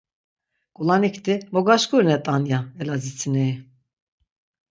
Ǩulanikti, mo gaşkurinet̆an ya, eladzitsineri...